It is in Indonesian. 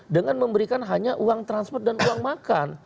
dengan memberikan hanya uang transport dan uang makan